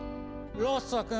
ロッソさん！